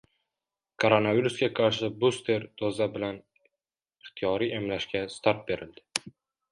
Koronavirusga qarshi buster doza bilan ixtiyoriy emlashga start berildi